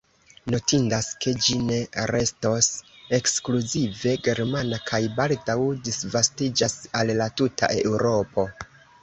Notindas ke ĝi ne restos ekskluzive germana kaj baldaŭ disvastiĝas al la tuta Eŭropo.